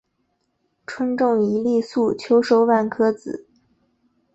春种一粒粟，秋收万颗子。